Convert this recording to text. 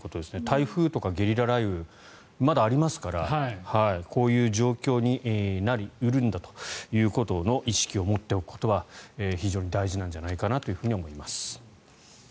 台風とかゲリラ雷雨まだありますからこういう状況になり得るんだということの意識を持っておくことは非常に大事じゃないかなと思います。